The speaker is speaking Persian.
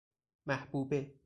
محبوبه